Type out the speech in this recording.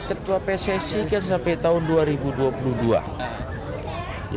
ketua pssi kan sampai tahun dua ribu dua puluh dua